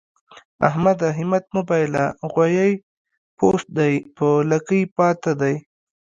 احمده! همت مه بايله؛ غويی پوست دی په لکۍ پاته دی.